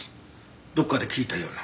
どっかで聞いたような。